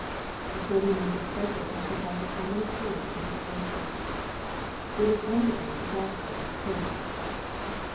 Accordingly this subject occupies a prominent place in his Gospel. It is eminently the Gospel of prayer."